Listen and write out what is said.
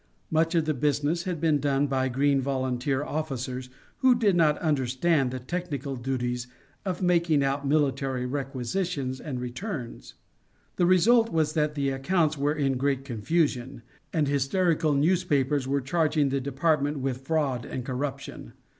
Much of the business had been done by green volunteer officers who did not understand the technical duties of making out military requisitions and returns. The result was that the accounts were in great confusion, and hysterical newspapers were charging the department with fraud and corruption.